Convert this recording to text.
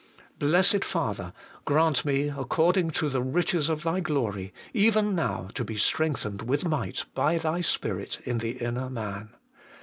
Blessed Father ! grant me, according to the riches of Thy glory, even now to be strengthened with might by Thy Spirit in the inner man.